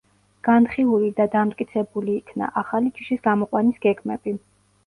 განხილული და დამტკიცებული იქნა, ახალი ჯიშის გამოყვანის გეგმები.